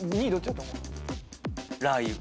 ラー油。